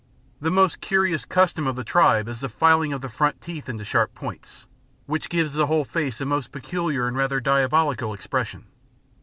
The most curious custom of the tribe is the filing of the front teeth into sharp points, which gives the whole face a most peculiar and rather diabolical expression.